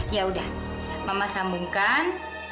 yaudah mama sambungkan